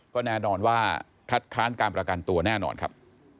ก็แน่นอนว่าคัดค้านการประกันตัวแน่นอนครับ